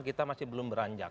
kita masih belum beranjak